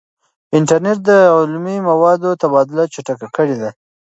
انټرنیټ د علمي موادو تبادله چټکه کړې ده.